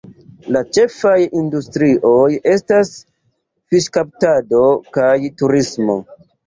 La ĉefaj industrioj estas fiŝkaptado kaj turismo.